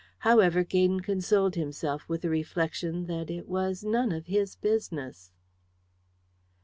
However, Gaydon consoled himself with the reflection that it was none of his business.